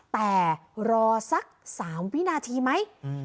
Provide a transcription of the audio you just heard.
แต่รอสัก๓วินาทีไหม